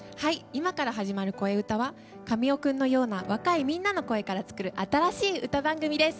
今から始まる「こえうた」は神尾君のような若いみんなの声から作る新しい歌番組です。